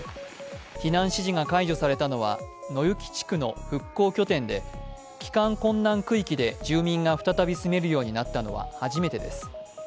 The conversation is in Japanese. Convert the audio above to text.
避難指示が解除されたのは野行地区の復興拠点で、帰還困難区域で住民が再び住めるようになったのは初めてです。